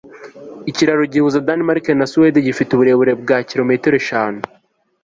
ikiraro gihuza danemarke na suwede gifite uburebure bwa kilometero eshanu